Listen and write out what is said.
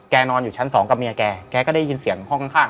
นอนอยู่ชั้นสองกับเมียแกแกก็ได้ยินเสียงห้องข้าง